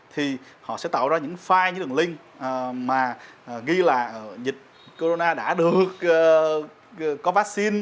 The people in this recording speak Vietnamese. thì họ sẽ tạo ra những file như đường link mà ghi là dịch corona đã được có vaccine